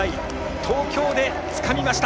東京でつかみました！